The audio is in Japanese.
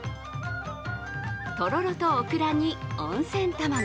とろろと、オクラに温泉卵。